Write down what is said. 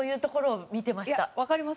わかります。